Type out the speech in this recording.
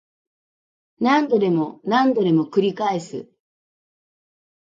何度でも何度でも繰り返す